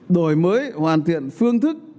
đổi mới hoàn thiện phương thức